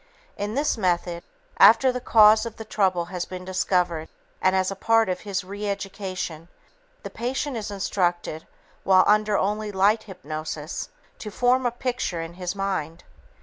In this method, after the cause of the trouble has been discovered and as a part of his re education, the patient is instructed while under only light hypnosis to 'form a picture' in his mind.